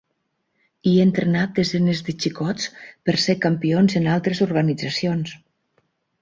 I he entrenat desenes de xicots per ser campions en altres organitzacions.